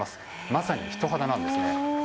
まさに人肌なんです。